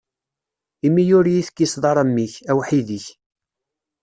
Imi ur yi-tekkiseḍ ara mmi-k, awḥid-ik.